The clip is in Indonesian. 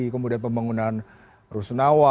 kemudian pembangunan rusunawa